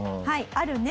あるね。